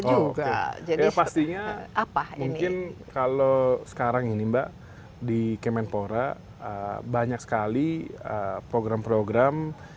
oke ya pastinya apa mungkin kalau sekarang ini mbak di kemenpora banyak sekali program program